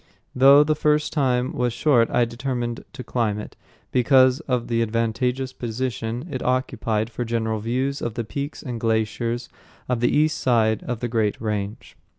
Though the time was short I determined to climb it, because of the advantageous position it occupied for general views of the peaks and glaciers of the east side of the great range.